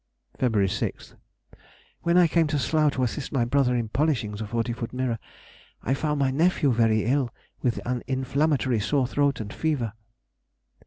Feb. 6th.—When I came to Slough to assist my brother in polishing the forty foot mirror, I found my nephew very ill with an inflammatory sore throat and fever.